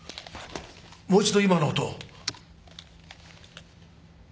もう一度今の音を。